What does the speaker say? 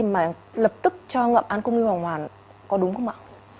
mà lập tức cho ngậm an cung nghi hoàng hoàng có đúng không ạ